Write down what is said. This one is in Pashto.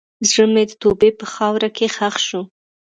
زړه مې د توبې په خاوره کې ښخ شو.